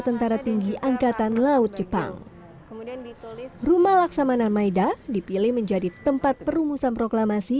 antara tinggi angkatan laut jepang rumah laksamana maida dipilih menjadi tempat perumusan proklamasi